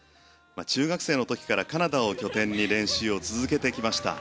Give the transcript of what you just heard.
中学生の時からカナダを拠点に練習を続けてきました。